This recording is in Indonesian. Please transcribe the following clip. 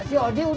si odi udah beli